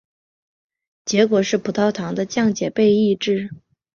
结果是葡萄糖的降解被抑制。